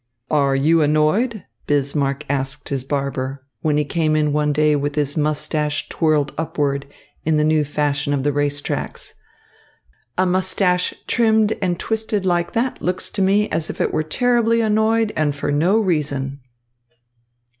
"Are you annoyed?" Bismarck asked his barber, when he came in one day with his moustache twirled upward in the new fashion of the race tracks. "A moustache trimmed and twisted like that to me looks as if it were terribly annoyed and for no reason."